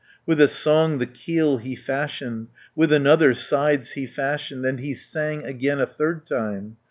With a song the keel he fashioned, With another, sides he fashioned, And he sang again a third time.